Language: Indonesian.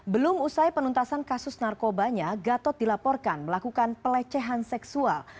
belum usai penuntasan kasus narkobanya gatot dilaporkan melakukan pelecehan seksual